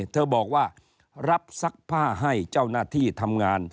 เธอบอกว่ารับซักผ้าให้เจ้าหน้าที่ทำงาน